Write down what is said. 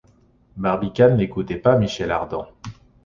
Barbicane n’écoutait pas Michel Ardan.